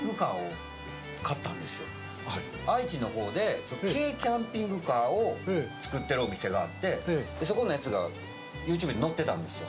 愛知のほうで軽キャンピングカーを作ってるお店があってそこのやつがＹｏｕＴｕｂｅにのってたんですよ。